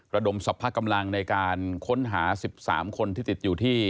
ระดมสรรพกำลังในการค้นหา๑๓คนที่ติดอยู่ที่